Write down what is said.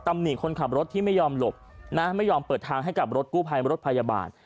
หนิคนขับรถที่ไม่ยอมหลบนะไม่ยอมเปิดทางให้กับรถกู้ภัยรถพยาบาล